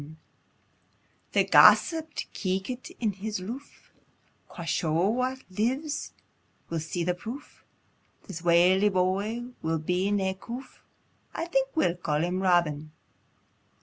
] The gossip keekit in his loof, Quo' scho, "Wha lives will see the proof, This waly boy will be nae coof: I think we'll ca' him Robin."